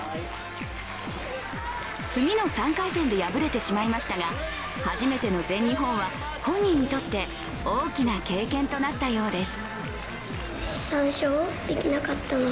次の３回戦で敗れてしまいましたが初めての全日本は本人にとって大きな経験となったようです。